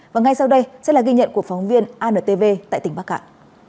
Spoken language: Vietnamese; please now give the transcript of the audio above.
và ngay sau đây sẽ là ghi nhận của phóng viên antv tại tỉnh bắc cạn